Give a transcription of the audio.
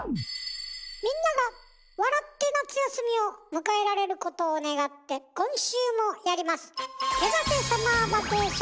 みんなが笑って夏休みを迎えられることを願って今週もやります！